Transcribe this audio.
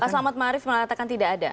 pak selamat ma'arif mengatakan tidak ada